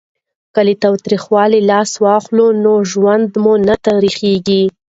که له تاوتریخوالي لاس واخلو نو ژوند نه تریخیږي.